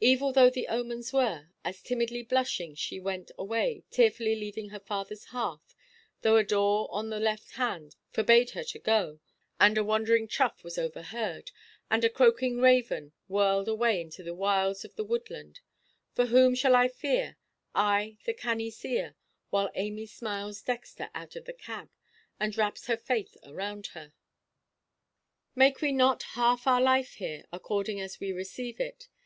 Evil though the omens were, as timidly blushing she went away, tearfully leaving her fatherʼs hearth, though a daw on the left hand forbade her to go, and a wandering chough was overheard, and a croaking raven whirled away into the wilds of the woodland—for whom shall I fear, I the cannie seer, while Amy smiles dexter out of the cab, and wraps her faith around her? Make we not half our life here, according as we receive it?